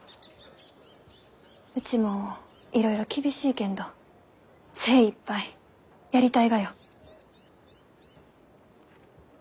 うちもいろいろ厳しいけんど精いっぱいやりたいがよ。